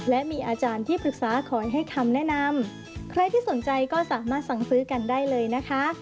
และมีอาจารย์ที่ปรึกษาคอยให้คำแนะนำใครที่สนใจก็สามารถสั่งซื้อกันได้เลยนะคะ